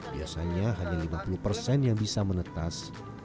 biasanya hanya lima puluh persen yang bisa menetas